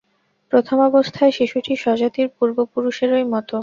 প্রথমাবস্থায় শিশুটি স্বজাতির পূর্বপুরুষেরই মত।